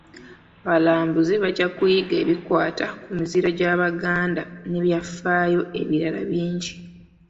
Abalambuzi bajja kuyiga ebikwata ku miziro gy’Abaganda n’ebyafaayo ebirala bingi.